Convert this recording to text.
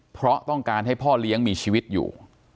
เพราะต้องการให้พ่อเลี้ยงมีชีวิตอยู่